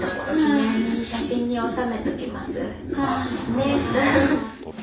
ねっ。